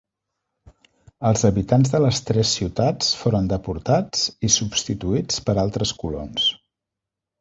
Els habitants de les tres ciutats foren deportats i substituïts per altres colons.